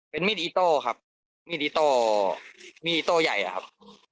เป็นมีดอิโต้ครับมีดอิโต้มีดโต้ใหญ่อะครับ